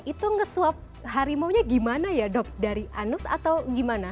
itu nge swab harimaunya gimana ya dok dari anus atau gimana